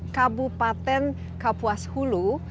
kabupaten kapuas hulu